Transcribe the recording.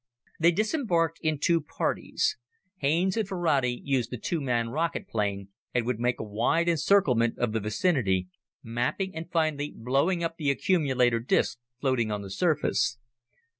They disembarked in two parties. Haines and Ferrati used the two man rocket plane and would make a wide encirclement of the vicinity, mapping and finally blowing up the accumulator discs floating on the surface.